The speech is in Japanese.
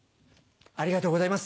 ありがとうございます。